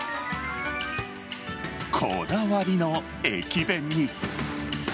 こだわりの駅弁に。